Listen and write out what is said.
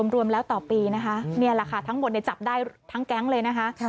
รวมแล้วต่อปีนะคะนี่แหละค่ะทั้งหมดจับได้ทั้งแก๊งเลยนะคะ